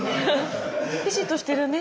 ピシッとしてるね。